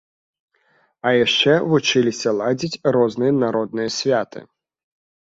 А яшчэ вучыліся ладзіць розныя народныя святы.